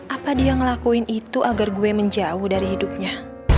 apa dia ngelakuin itu agar gue menjauh dari hidupnya